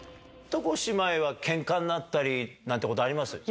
床姉妹は、けんかになったりなんてことあります？